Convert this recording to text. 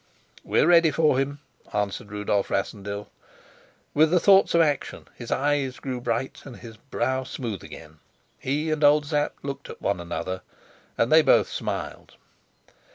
"We're ready for him," answered Rudolf Rassendyll. With the thought of action his eyes grew bright and his brow smooth again. He and old Sapt looked at one another, and they both smiled.